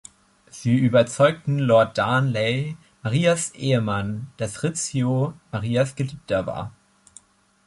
Sie überzeugten Lord Darnley, Marias Ehemann, dass Rizzio Marias Geliebter war.